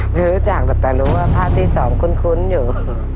ไม่รู้จักแต่รู้ว่าภาพที่๒คุ้นอยู่